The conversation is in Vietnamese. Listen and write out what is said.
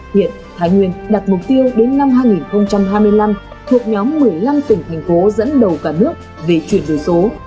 hiện thái nguyên đặt mục tiêu đến năm hai nghìn hai mươi năm thuộc nhóm một mươi năm tỉnh thành phố dẫn đầu cả nước về chuyển đổi số